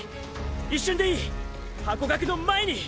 一瞬でいいハコガクの前に！！